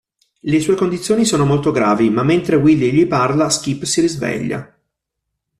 Le sue condizioni sono molto gravi ma mentre Willie gli parla, Skip si risveglia.